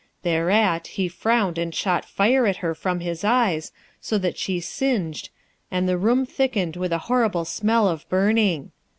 Thereat, he frowned and shot fire at her from his eyes, so that she singed, and the room thickened with a horrible smell of burning.